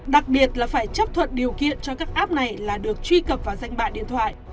đặc biệt là phải chấp thuận điều kiện cho các app này là được truy cập vào danh bạ điện thoại